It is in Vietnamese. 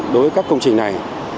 đối với các công trình này